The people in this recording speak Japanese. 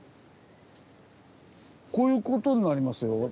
こういうことになりますよ。